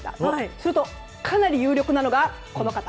すると、かなり有力なのがこの方。